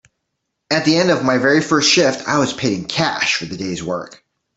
At the end of my very first shift, I was paid in cash for the day’s work.